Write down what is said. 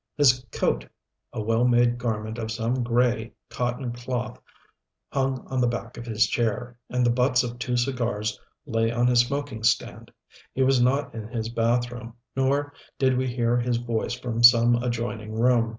His coat a well made garment of some gray, cotton cloth hung on the back of his chair, and the butts of two cigars lay on his smoking stand. He was not in his bathroom, nor did we hear his voice from some adjoining room.